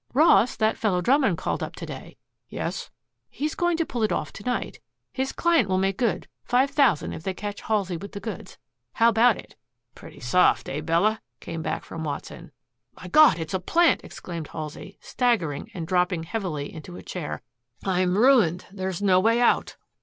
"Ross, that fellow Drummond called up to day." "Yes?" "He is going to pull it off to night. His client will make good five thousand if they catch Halsey with the goods. How about it?" "Pretty soft eh, Bella?" came back from Watson. "My God! it's a plant!" exclaimed Halsey, staggering and dropping heavily into a chair. "I'm ruined. There is no way out!"